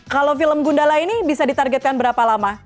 kalau film gundala ini bisa ditargetkan berapa lama